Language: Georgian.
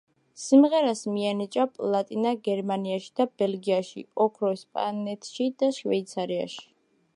სიმღერას მიენიჭა პლატინა გერმანიაში და ბელგიაში, ოქრო ესპანეთში და შვეიცარიაში.